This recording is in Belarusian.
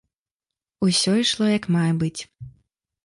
Усё ішло як мае быць.